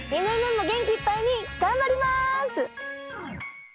２年目も元気いっぱいに頑張ります！